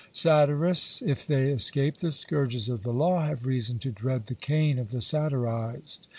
Satirists, if they escape the scourges of the law, have reason to dread the cane of the satirised.